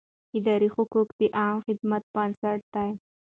اداري حقوق د عامه خدمت بنسټ دی.